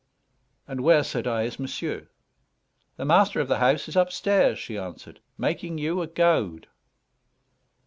"And where," said I, "is monsieur?" "The master of the house is upstairs," she answered, "making you a goad."